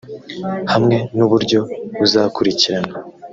hamwe n'uburyo bazakurikirana